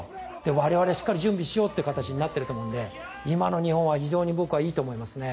我々、しっかり準備しようという形になっていると思うので今の日本は非常にいいと思いますね。